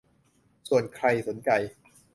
ส่วนใครสนใจ